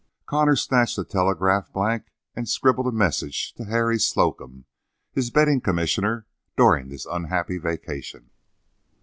Connor snatched a telegraph blank and scribbled a message to Harry Slocum, his betting commissioner during this unhappy vacation.